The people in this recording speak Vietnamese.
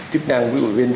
chức năng của người dân